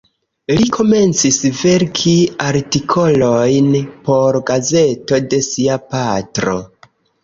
Li komencis verki artikolojn por gazeto de sia patro.